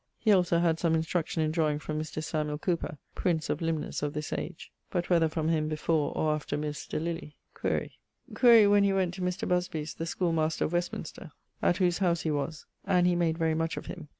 He also had some instruction in draweing from Mr. Samuel Cowper (prince of limners of this age); but whether from him before or after Mr. Lilly quaere? ☞ Quaere when he went to Mr. Busby's, the schoolemaster of Westminster, at whose howse he was; and he made very much of him.